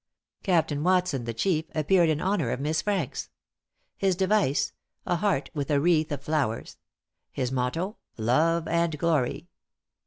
Captain Watson, the chief, appeared in honor of Miss Franks; his device a heart with a wreath of flowers; his motto Love and Glory.